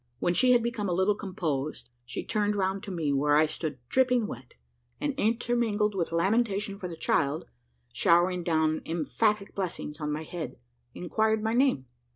When she had become a little composed, she turned round to me, where I stood dripping wet, and intermingled with lamentation for the child, showering down emphatic blessings on my head, inquired my name.